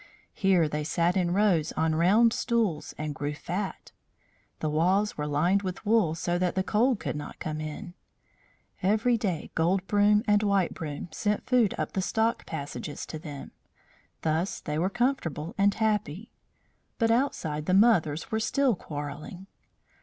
Here they sat in rows on round stools and grew fat. The walls were lined with wool, so that the cold could not come in; every day Gold Broom and White Broom sent food up the stalk passages to them. Thus they were comfortable and happy. But outside the mothers were still quarrelling.